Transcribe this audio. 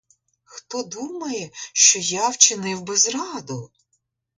Хто думає, що я вчинив би зраду?